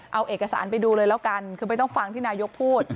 เอาเอกสารไปดูเลยแล้วกันคือไม่ต้องฟังที่นายกพูด